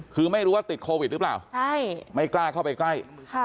คือไม่รู้ว่าติดโควิดหรือเปล่าใช่ไม่กล้าเข้าไปใกล้